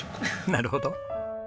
なるほど。